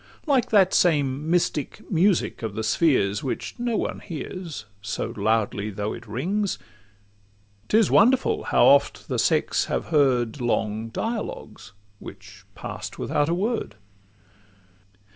Like that same mystic music of the spheres, Which no one bears, so loudly though it rings, 'Tis wonderful how oft the sex have heard Long dialogues—which pass'd without a word!